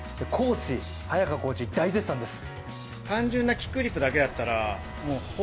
早川コーチ、大絶賛です。